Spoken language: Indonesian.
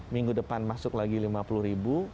minggu depan masuk lagi lima puluh ribu